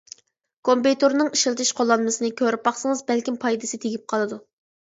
كومپيۇتېرنىڭ ئىشلىتىش قوللانمىسىنى كۆرۈپ باقسىڭىز بەلكىم پايدىسى تېگىپ قالىدۇ.